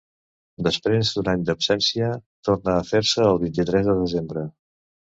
Després d’un any d’absència, torna a fer-se el vint-i-tres de desembre.